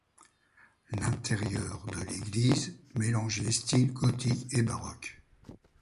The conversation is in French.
L'intérieur de l'église mélange les styles gothique et baroque.